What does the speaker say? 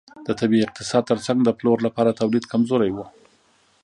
د طبیعي اقتصاد ترڅنګ د پلور لپاره تولید کمزوری و.